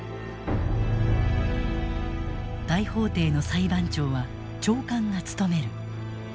大法廷の裁判長は長官が務める。